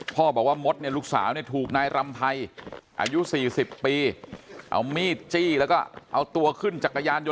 พ่อบอกว่ามดเนี่ยลูกสาวเนี่ยถูกนายรำไพรอายุ๔๐ปีเอามีดจี้แล้วก็เอาตัวขึ้นจักรยานยนต